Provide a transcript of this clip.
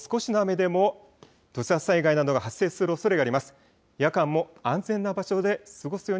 今後、少しの雨でも土砂災害などが発生するおそれがあります。